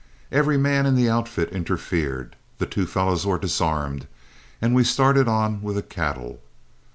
Every man in the outfit interfered, the two fellows were disarmed, and we started on with the cattle.